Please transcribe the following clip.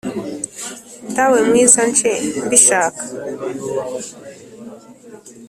dawe mwiza nje mbishaka